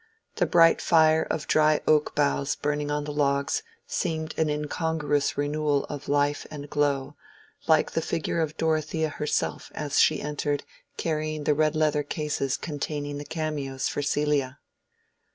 The bright fire of dry oak boughs burning on the logs seemed an incongruous renewal of life and glow—like the figure of Dorothea herself as she entered carrying the red leather cases containing the cameos for Celia.